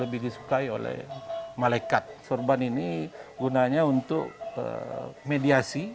memiliki kekuasaan yang lebih terbaik dari malekat sorban ini gunanya untuk mediasi